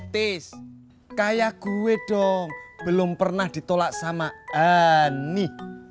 tis kayak gue dong belum pernah ditolak sama ani